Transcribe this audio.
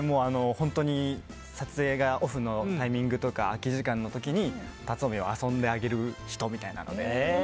本当に撮影がオフのタイミングとか空き時間の時に龍臣を遊んであげる人みたいな。